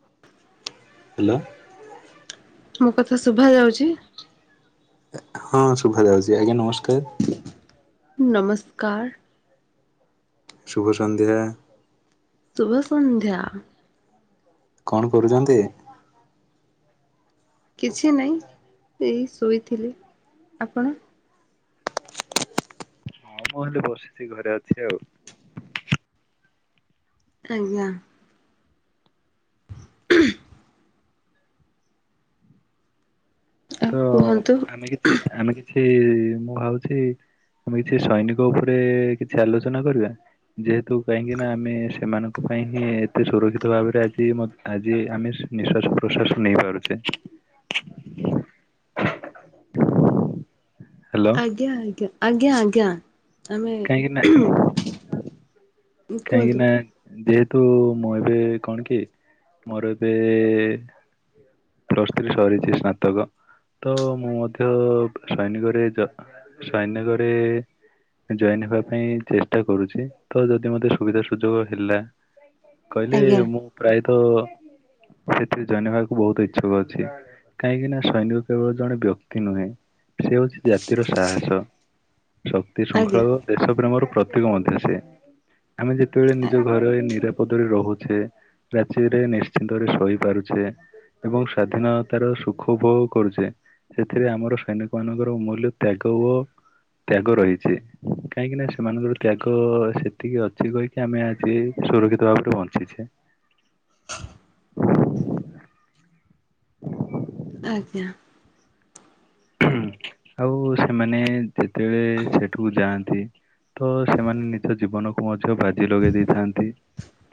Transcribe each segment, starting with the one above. Hello. ମୋ କଥା ଶୁଭା ଯାଉଛି। ହଁ ଶୁଭାଯାଉଛି ଆଜ୍ଞା ନମସ୍କାର। ନମସ୍କାର। ଶୁଭ ସନ୍ଧ୍ୟା। ଶୁଭସନ୍ଧ୍ୟା। କଣ କରୁଛନ୍ତି। କିଛି ନାହିଁ ଏ ଶୋଇଥିଲି ଆପଣ? ମୁଁ ବସିଛି ଘରେ ଅଛି ଆଉ। ଆଜ୍ଞା। [inaudible] ଆଉ ତ କୁହନ୍ତୁ। ଆମେ କିଛି ଆମେ କିଛି ମୁଁ ଭାବୁଛି। ଆମେ କିଛି ସୈନିକ ଉପରେ କିଛି ଆଲୋଚନା କରିବା। ଯେହେତୁ କାହିଁକି ନା ଆମେ ସେମାନଙ୍କ ପାଇଁ ହିଁ ଏତେ ସୁରକ୍ଷିତ ଭାବରେ ଆଜି ଆଜି ଆମେ ନିଶ୍ୱାସ ପ୍ରଶ୍ୱାସ ନେଇପାରୁଛେ। ହ୍ୟାଲୋ ଆଜ୍ଞା ଆଜ୍ଞା ଆଜ୍ଞା ଆଜ୍ଞା ଆମେ କାହିଁକି ନା କାହିଁକି କୁହନ୍ତୁ ନା ଯେହେତୁ ମୁଁ ଏବେ କଣ କି ମୋର ଏବେ ପ୍ଲଶ ଥ୍ରୀ ସରିଛି ସ୍ନାତକ ତ ମୁଁ ମଧ୍ୟ ସୈନିକରେ ସୈନିକରେ ଜଏନ ହେବା ପାଇଁ ଚେଷ୍ଟା କରୁଛି ତ ଯଦି ମତେ ସୁବିଧା ସୁଯୋଗ ହେଲା। କହିଲେ ଆଜ୍ଞା ମୁଁ ପ୍ରାୟତ ସେଥିରେ ଜଏନ ହେବାକୁ ବହୁତ ଛକ ଅଛି କାହିଁକି ନା ସୈନିକ କେବଳ ଜଣେ ବ୍ୟକ୍ତି ନୁହେଁ। ସେ ହୋଉଚି ଜାତିର ସାହସ, ଶକ୍ତି ଶୃଙ୍ଖଳା ଆଜ୍ଞା ର ଦେଶ ପ୍ରେମର ପ୍ରତୀକ ମଧ୍ୟ ସେ ଆମେ ଯେତେବେଳେ ନିଜ ଘରେ ନିରା ପଦ ରେ ରହୁଚେ ରାତିରେ ନିଶ୍ଚିନ୍ତରେ ଶୋଇପାରୁଚେ। ଏବଂ ସ୍ଵାଧୀନତାର ସୁଖ ଉପୋଭଗ କରୁଚେ। ସେଥିରେ ଆମର ସୈନିକ ମାନଙ୍କର ମୂଲ୍ୟ ତ୍ୟାଗ ଓ ତ୍ୟାଗ ରହିଚି। କାହିଁକି ନା ସେମାନଙ୍କର ତ୍ୟାଗ ସେତିକି ଅଛି କହିକି ଆମେ ଆଜି ସୁରକ୍ଷିତ ଭାବରେ ବଞ୍ଚିଛେ। ଆଜ୍ଞା। ଆଉ ସେମାନେ ଯେତେବେଳେ ସେଠକୁ ଯାଆନ୍ତି ତ ସେମାନେ ନିଜ ଜୀବନକୁ ମଧ୍ୟ ବାଜି ଲଗେଇ ଦେଇଥାନ୍ତି।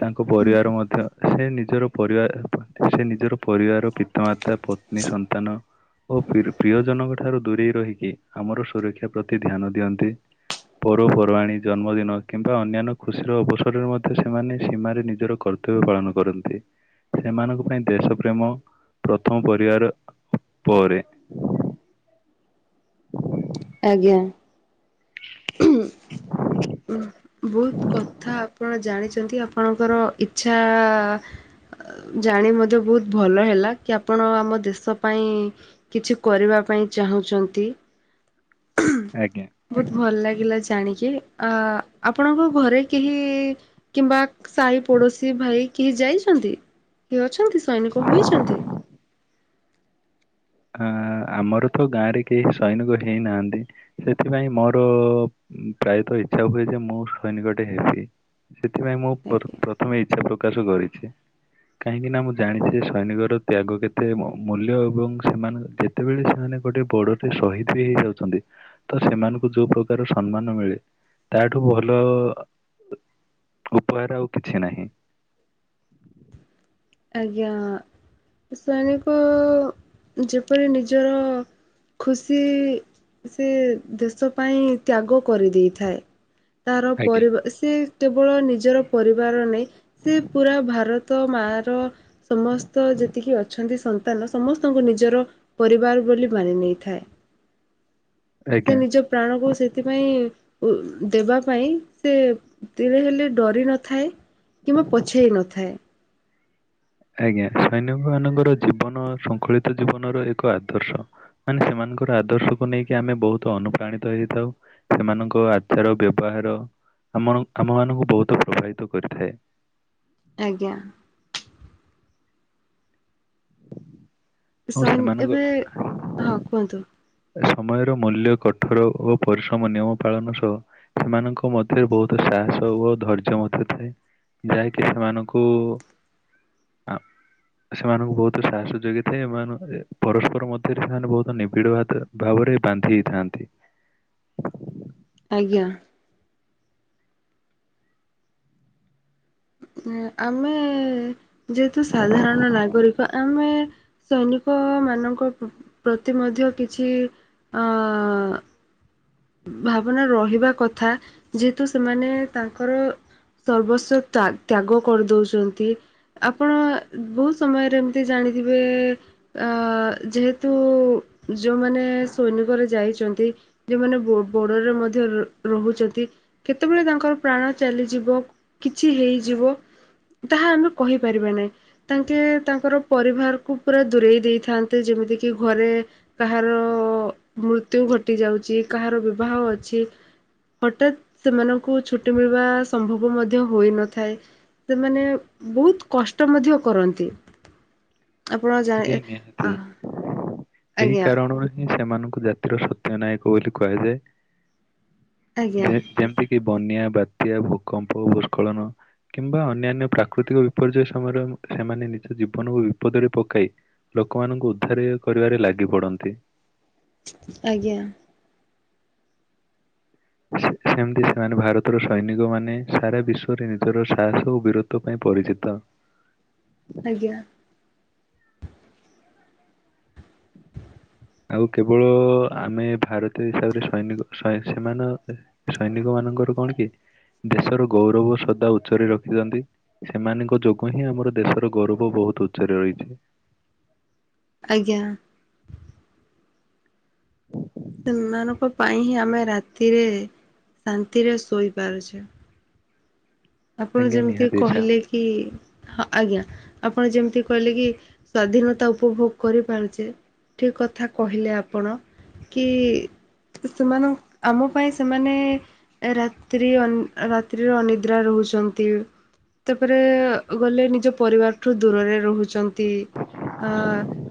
ତାଙ୍କ ପରିବାର ମଧ୍ୟ ସେ ନିଜର ପରିବାର ସେ ନିଜର ପରିବାର ପିତାମାତା ପ ନିସନ୍ତାନ ଓ ପିରୁ ପ୍ରିୟଜନଙ୍କ ଠାରୁ ଦୂରେଇ ରହିକି ଆମର ସୁରକ୍ଷା ପ୍ରତି ଧ୍ୟାନ ଦିଅନ୍ତି। ପରପର୍ବାଣୀ ଜନ୍ମଦିନ କିମ୍ବା ଅନ୍ୟାନ୍ୟ ଖୁସିର ଅବସରରେ ମଧ୍ୟ ସେମାନେ ସୀମାରେ ନିଜର କର ତବ୍ଯ ପାଳନ କରନ୍ତି ସେମାନଙ୍କ ପାଇଁ ଦେଶ ପ୍ରେମ ପ୍ରଥମ ପରିବାର ପରେ [inaudible] ଆଜ୍ଞା। ଉଁ ବହୁତ କଥା ଆପଣ ଜାଣିଛନ୍ତି ଆପଣଙ୍କର ଇଚ୍ଛା ଆ ଅ ଜାଣି ମଧ୍ୟ ବୋହୁତ ଭଲ ହେଲା କି ଆପଣ ଆମ ଦେଶ ପାଇଁ କିଛି କରିବା ପାଇଁ ଚାହୁଁଚନ୍ତି। ଆଜ୍ଞା। ଭଲ ଲାଗିଲା ଜାଣିକି ଆ ଆପଣଙ୍କ ଘରେ କେହି କିମ୍ବା ସାହି ପଡ଼ୋଶୀ ଭାଇ କେହି ଯାଇଛନ୍ତି, କି ଅଛନ୍ତି ସୈନିକ ହୋଇଛନ୍ତି? ଆ ଆମର ତ ଗାଁରେ କେହି ସୈନିକ ହେଇନାହାନ୍ତି। ସେଥିପାଇଁ ମୋର ପ୍ରାୟତଃ ଇଚ୍ଛା ହୁଏ ଯେ ମୁଁ ସୈନିକ ଟେ ହେବି। ସେଥିପାଇଁ ମୁଁ ପ୍ର ଆଜ୍ଞା। ପ୍ରଥମେ ଇଚ୍ଛା ପ୍ରକାଶ କରିଚି। କାହିଁକି ନା ମୁଁ ଜାଣିଛି ଯେ ସୈନିକର ତ୍ୟାଗ କେତେ ମୂଲ୍ୟ ଏବଂ ସେମାନେ ଯେତେବେଳେ ସେମାନେ ଗୋଟେ ବଡରେ ସହିଦ ବି ହେଇଯାଉଛନ୍ତି ତ ସେମାନଙ୍କୁ ଯୋଉ ପ୍ରକାର ସମ୍ମାନ ମିଳେ ତା ଠୁ ଭଲ ଅ ଉପହାର ଆଉ କିଛି ନାହିଁ। ଆଜ୍ଞା। ସୈନିକ ଯେପରି ନିଜର ଖୁସି ସେ ଦେଶ ପାଇଁ ତ୍ୟାଗ କରି ଦେଇଥାଏ। ତାର ଆଜ୍ଞା। ପରିବା ସେ କେବଳ ନିଜର ପରିବାର ନାଇ ସେ ପୁରା ଭାରତ ତ ମା ର ସମସ୍ତ ଯେତିକି ଅଛନ୍ତି ସନ୍ତାନ ସମସ୍ତଙ୍କୁ ନିଜର ପରିବାର ବୋଲି ମାନି ନେଇଥାଏ। ସେ ଆଜ୍ଞା ନିଜ ପ୍ରାଣକୁ ସେଥିପାଇଁ ଉ ଦେବା ପାଇଁ ସେ ତିଳେ ହେଲେ ଡରି ନଥାଏ କିମ୍ବା ପଛେଇ ନଥାଏ। ଆଜ୍ଞା ସୈନିକ ମାନଙ୍କର ଜୀବନ ଶୃଙ୍ଖଳିତ ଜୀବନର ଏକ ଆଦର୍ଶ। ମାନେ ସେମାନଙ୍କର ଆଦର୍ଶକୁ ନେଇକି ଆମେ ବୋହୁତ ଅନୁପ୍ରାଣିତ ହେଇଥାଉ। ସେମାନଙ୍କ ଆଚାର ବ୍ୟବହାର ଆମଣ ଆମ ମାନଙ୍କୁ ବୋହୁତ ପ୍ରଭାବତ କରିଥାଏ। ଆଜ୍ଞା। ଆଉ ସଇନ୍ ସେମାନଙ୍କ ଏବେ ହଁ କୁହନ୍ତୁ? ସମୟର ମୂଲ୍ୟ କଠୋର ଓ ପରିଶ୍ରମ ନିୟମ ପାଳନ ସହ ସେମାନଙ୍କ ମଧ୍ୟରେ ବୋହୁତ ସାହସ ଓ ଧୈର୍ଯ୍ୟ ମଧ୍ୟ ଥାଏ। ଯାଇକି ସେମାନକୁ ସେମାନଙ୍କୁ ବହୁତ ସାହସ ଯୋଗେଇଥାଏ ଏମାନ ପରସ୍ପର ମଧ୍ୟରେ ସେମାନେ ବହୁତ ନିବିଡ଼ ଭା ଭାବରେ ବାନ୍ଧି ହେଇଥାନ୍ତି। ଆଜ୍ଞା। ଉଁମ ଆମେ ଯେହେତୁ ସାଧାରଣ ନାଗରିକ ଆମେ ସୈନିକ ମାନଙ୍କ ପ ପ୍ରତି ମଧ୍ୟ କିଛି ଅ-ଅ ଭାବନା ରହିବା କଥା ଯେହେତୁ ସେମାନେ ତାଙ୍କର ସର୍ବସ୍ୱ ତ୍ୟା ତ୍ୟାଗ କରିଦଉଛନ୍ତି। ଆପଣ ବହୁତ ସମୟରେ ଏମତି ଜାଣିଥିବେ ଆ ଯେହେତୁ ଯୋଉମାନେ ସୈନିକରେ ଯାଇଛନ୍ତି ଯୋଉମାନେ ବୋ ବୋଡରରେ ମଧ୍ୟ ର-ରହୁଛନ୍ତି କେତେବେଳେ ତାଙ୍କର ପ୍ରାଣ ଚାଲିଯିବ। କିଛି ହେଇଯିବ ତାହା ଆମେ କହିପାରିବା ନାହିଁ। ତାଙ୍କେ ତାଙ୍କର ପରିବାରକୁ ପୁରା ଦୂରେଇ ଦେଇଥାନ୍ତେ ଯେମିତି କିି ଘରେ କାହାର ମୃତ୍ୟୁ ଘଟି ଯାଉଛି କାହାର ବିବାହ ଅଛି। ହଠାତ୍ ସେମାନଙ୍କୁ ଛୁଟି ମିଳିବା ସମ୍ଭବ ମଧ୍ୟ ହୋଇନଥାଏ। ସେମାନେ ବହୁତ କଷ୍ଟ ମଧ୍ୟ କରନ୍ତି। ଆପଣ ଜା ଆଜ୍ଞା ଆଜ୍ଞା ଆ ଦି ଏଇ ଆଜ୍ଞା କାରଣରୁ ସେମାନଙ୍କୁ ଜାତିର ସତ୍ୟ ନାୟକ ବୋଲି କୁହାଯାଏ। ଆଜ୍ଞା ଯେ-ଯେମିତ କି ବନ୍ୟା, ବାତ୍ୟା, ଭୂକମ୍ପ, ଭୂସ୍କଳନ କିମ୍ବା ଅନ୍ୟାନ୍ୟ ପ୍ରାକୃତିକ ବିପର୍ଯ୍ୟୟ ସମୟରେ ସେମାନେ ନିଜ ଜୀବନକୁ ବିପଦରେ ପ କାଇ ଲୋକମାନଙ୍କୁ ଉଦ୍ଧାରେ କରିବାରେ ଲାଗି ପଡନ୍ତି। ଆଜ୍ଞା। [inaudible] ସେମିତି ସେମାନେ ଭାରତର ସୈନିକମାନେ ସାରା ବିଶ୍ୱରେ ନିଜର ସାହସ ଓ ବୀରତ୍ୱ ପାଇଁ ପରିଚିତ। ଆଜ୍ଞା। ଆଉ କେବଳ ଆମେ ଭାରତୀୟ ହିସାବରେ ସୈନିକ ସ ସେମାନ ସୈନିକ ମାନଙ୍କର କଣ କି ଦେଶର ଗୌରବ ସଦା ଉଚ୍ଚ ରେ ରଖିଥାନ୍ତି। ସେମାନଙ୍କ ଯୋଗୁ ହିଁ ଆମର ଦେଶର ଗୌରବ ବହୁତ ଉଚ୍ଚରେ ରହିଛି। ଆଜ୍ଞା। ସେମାନଙ୍କ ପାଇଁ ହିଁ ଆମେ ରାତିରେ ଶାନ୍ତିରେ ଶୋଇପାରୁଛେ। ଆପଣ ଆଜ୍ଞା ଯେମିତି ନିହାତି ଆଚ୍ଛା। କହିଲେ କି ହଁ ଆଜ୍ଞା ଆପଣ ଯେମିତି କହିଲେ କି ସ୍ଵାଧୀନତା ଉପଭୋଗ କରିପାରୁଛେ ଠିକ କଥା କହିଲେ ଆପଣ। କି ସେମାନ ଙ୍କ ଆମ ପାଇଁ ସେମାନେ ରାତ୍ରି ଅନ୍ ରାତ୍ରିରେ ଅନିଦ୍ରା ରହୁଛନ୍ତି। ତାପରେ ଗଲେ ନିଜ ପରିବାରଠୁ ଦୂରରେ ରହୁଛନ୍ତି। ଆ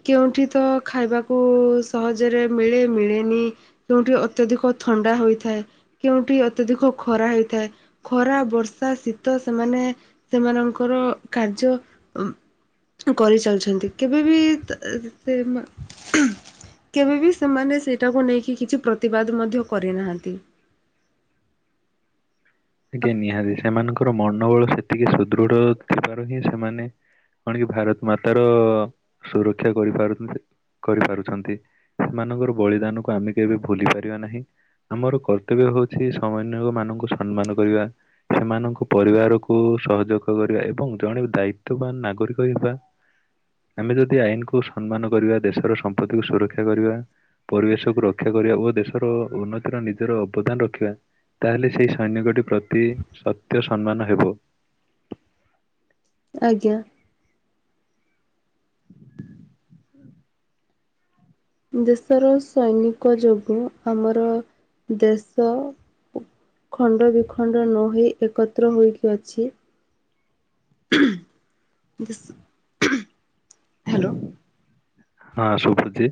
କେଉଁଠି ତ ଖାଇବାକୁ ସହଜରେ ମିଳେ ମିଳେନି। କେଉଠି ଅତ୍ୟଧିକ ଥଣ୍ଡା ହୋଇଥାଏ କେଉଁଠି ଅତ୍ୟଧିକ ଖରା ହେଇଥାଏ। ଖରା ବର୍ଷା ଶୀତ ସେମାନେ ସେମାନଙ୍କର କାର୍ଯ୍ୟ ଉଁ କରିଚାଲିଛନ୍ତି କେବେ ବିି ତା ସେ ମା କେବେବିି ସେମାନେ ସେଇଟାକୁ ନେଇକି କିଛି ପ୍ରତିବାଦ ମଧ୍ୟ କରିନାହାନ୍ତି। ଆଜ୍ଞା ନିହାତି ସେମାନଙ୍କର ମନୋବଳ ସେତିକି ସୁଦୃଢ ଥିବାରୁ ହିଁ ସେମାନେ କଣ କି ଭାରତ ମାତାର ସୁରକ୍ଷା କରିପାରୁଛନ୍ତି। କରିପାରୁଛନ୍ତି। ସେମାନଙ୍କର ବଳିଦାନକୁ ଆମେ କେବେ ଭୁଲି ପାରିବା ନାହିଁ। ଆମର କର୍ତ୍ତବ୍ୟ ହଉଛି ସମନ୍ୟ ମାନଙ୍କୁ ସମ୍ମାନ କରିବା। ସେମାନଙ୍କୁ ପରିବାରକୁ ସହଯୋଗ କରିବା ଏବଂ ଜଣେ ଦାୟିତ୍ୱବାନ ନାଗରିକ ହେବା। ଆମେ ଯଦି ଆଇନକୁ ସମ୍ମାନ କରିବା ଦେଶର ସମ୍ପତ୍ତିକୁ ସୁରକ୍ଷା କରିବା। ପରିବେଶକୁ ରକ୍ଷା କରିବା ଓ ଦେଶର ଉନ୍ନତିର ନିଜର ଅବଦାନ ରଖିବା। ତାହେଲେ ସେଇ ସୈନିକ ଟି ପ୍ରତି ସତ୍ୟ ସମ୍ମାନ ହେବ। ଆଜ୍ଞା। ଦେଶର ସୈନିକ ଯୋଗୁଁ ଆମର ଦେଶ ଖଣ୍ଡ ବିଖଣ୍ଡ ନ ହୋଇ ଏକତ୍ର ହୋଇକି ଅଛି। [unintelligible] ଯେଶ। ହ୍ୟାଲୋ। ହଁ ସୁପୁଛି।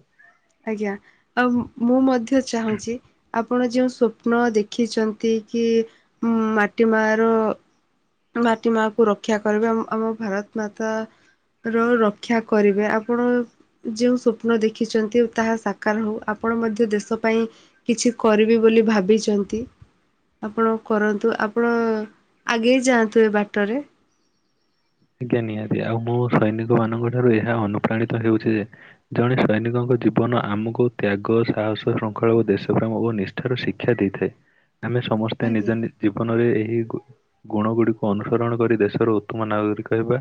ଆଜ୍ଞା ଆଉ ମୁଁ ମଧ୍ୟ ଚାହୁଁଛି। ଆପଣ ଯେଉଁ ସ୍ୱପ୍ନ ଦେଖିଛନ୍ତି କି ମାଟି ମା ର। ମାଟି ମା କୁ ରକ୍ଷା କରିବେ ଆମ ଆମ ଭାରତ ମାତା। ର ରକ୍ଷା କରିବେ ଆପଣ। ଯେଉଁ ସ୍ୱପ୍ନ ଦେଖିଛନ୍ତି ତାହା ସାକାର ହଉ ଆପଣ ମଧ୍ୟ ଦେଶ ପାଇଁ। କିଛି କରିବେ ବୋଲି ଭାବିଛନ୍ତି। ଆପଣ କରନ୍ତୁ ଆପଣ ଆଗେଇ ଯାଆନ୍ତୁ ଏ ବାଟରେ। ଆଜ୍ଞା ନିହାତି ଆଉ ମୁଁ ସୈନିକ ମାନଙ୍କ ଠାରୁ ଏହା ଅନୁପ୍ରାଣିତ ହେଉଛି ଯେ। ଜଣେ ସୈନିକଙ୍କ ଜୀବନ ଆମକୁ ତ୍ୟାଗ ସାହସ ଶୃଙ୍ଖଳା ଓ ଦେଶପ୍ରେମ ଓ ନି ଠାରୁ ଶିକ୍ଷା ଦେଇଥାଏ ଆମେ ସମସ୍ତେ ଆଜ୍ଞା ନିଜ ନି ଜୀବନରେ ଏହି ଗୁଣ ଗୁଡିକୁ ଅନୁସରଣ କରି ଦେଶର ଉତ୍ତମ ନାଗରିକ କହ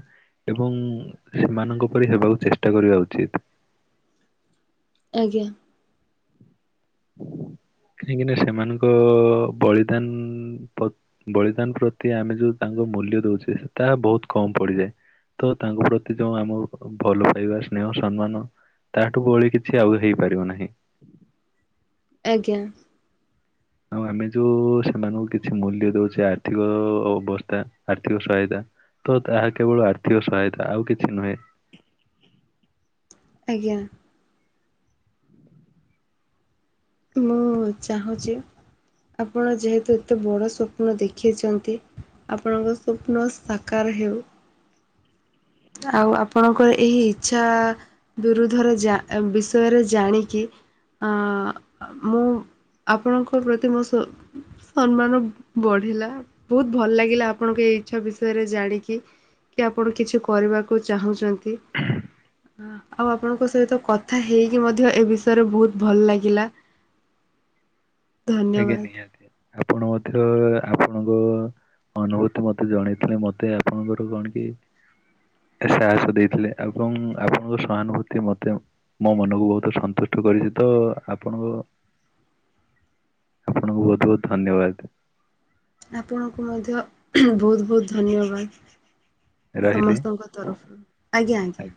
ଏବଂ ସେମାନଙ୍କ ପରି ହେବାକୁ ଚେଷ୍ଟା କରିବା ଉଚିତ ଆଜ୍ଞା କାହିଁକି ନା ସେମାନଙ୍କ ବଳିଦାନ ବଳିଦାନ ପ୍ରତି ଆମେ ଯୋଉ ତାଙ୍କ ମୂଲ୍ୟ ଦଉଛେ ତାହା ବହୁତ କମ ପଡିଯାଏ ତ ତାଙ୍କ ପ୍ରତି ଯୋଉ ଆମ ଭଲ ପାଇବା ସ୍ନେହ ସମ୍ମାନ ତାଠୁ ଭଳି କିଛି ଆଉ ହେଇପାରିବ ନାହିଁ ଆଜ୍ଞା ଆଉ ଆମେ ଯୋଉ ସେମାନଙ୍କୁ କିଛି ମୂଲ୍ୟ ଦଉଛେ ଆର୍ଥିକ ଅବସ୍ଥା ଆର୍ଥିକ ସହାୟତା ତ ତାହା କେବଳ ଆର୍ଥିକ ସହାୟତା ଆଉ କିଛି ନୁହେଁ ଆଜ୍ଞା ମୁଁ ଚାହୁଁଛି ଆପଣ ଯେହେତୁ ଏତେ ବଡ଼ ସ୍ୱପ୍ନ ଦେଖେଇଛନ୍ତି ଆପଣଙ୍କ ସ୍ୱପ୍ନ ସାକାର ହେଉ ଆଉ ଆପଣଙ୍କ ଏହି ଇଚ୍ଛା ବିରୁଦ୍ଧରେ ବିଷୟରେ ଜାଣିକି ମୁଁ ଆପଣଙ୍କ ପ୍ରତି ମୋ ସ ସମ୍ମାନ ବଢିଲା ବହୁତ ଭଲ ଲାଗିଲା ଆପଣଙ୍କୁ ଏଇ ଇଚ୍ଛା ବିଷୟରେ ଜାଣିକି କି ଆପଣ କିଛି କରିବାକୁ ଚାହୁଁଛନ୍ତି ହ ଆଉ ଆପଣଙ୍କ ସହିତ କଥା ହେଇକି ମଧ୍ୟ ଏ ବିଷୟରେ ବହୁତ ଭଲ ଲାଗିଲା ଆଜ୍ଞା ଧନ୍ୟବାଦ ନିହାତି ଆପଣ ମଧ୍ୟ ଆପଣଙ୍କ ଅନୁଭୂତି ମତେ ଜଣେଇଥିଲେ ମତେ ଆପଣଙ୍କର କଣ କି ସାହସ ଦେଇଥିଲେ ଏବଂ ଆପଣଙ୍କ ସହାନୁଭୂତି ମତେ ମୋ ମନକୁ ବହୁତ ସନ୍ତୁଷ୍ଟ କରିଛି ତ ଆପଣଙ୍କ ଆପଣଙ୍କୁ ବହୁତ ବହୁତ ଧନ୍ୟବାଦ ଆପଣଙ୍କୁ ମଧ୍ୟ ବହୁତ ବହୁତ ଧନ୍ୟବାଦ ରହିଲି ସମସ୍ତଙ୍କ ତରଫରୁ ଆଜ୍ଞା ଆଜ୍ଞା